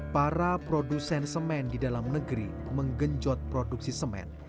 para produsen semen di dalam negeri menggenjot produksi semen